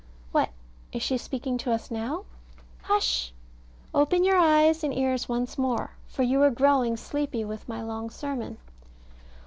What? is she speaking to us now? Hush! open your eyes and ears once more, for you are growing sleepy with my long sermon.